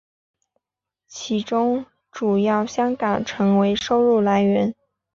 其中主要香港成为收入来源。